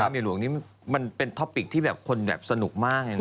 มันเป็นธอปปิกที่คนสนุกมาก